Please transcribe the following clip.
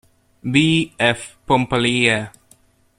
B. F. Pompallier.